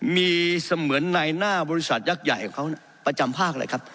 มีเสมือนในหน้าบริษัทยักษ์ใหญ่ของเขาประจำภาคเลยครับ